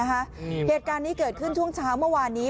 เหตุการณ์นี้เกิดขึ้นช่วงเช้าเมื่อวานนี้